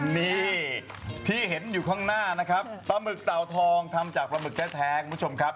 นี่ที่เห็นอยู่ข้างหน้านะครับปลาหมึกเต่าทองทำจากปลาหมึกแท้คุณผู้ชมครับ